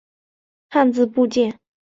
汉字部件。